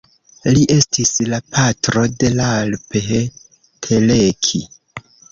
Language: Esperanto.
Li estis la patro de Ralph Teleki.